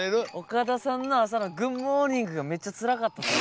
岡田さんの朝の「グッドモーニング」がめっちゃつらかったっすよ。